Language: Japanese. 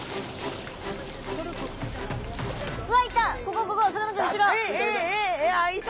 わっいた。